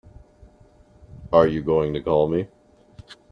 Are you going to call me?